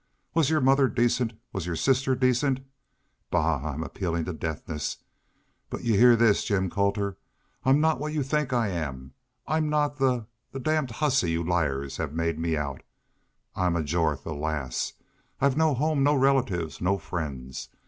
Was your mother decent? Was your sister decent? ... Bah! I'm appealing to deafness. But y'u'll HEAH this, Jim Colter! ... I'm not what yu think I am! I'm not the the damned hussy y'u liars have made me out.... I'm a Jorth, alas! I've no home, no relatives, no friends!